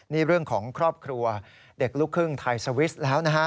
นี่เรื่องของครอบครัวเด็กลูกครึ่งไทยสวิสต์แล้วนะฮะ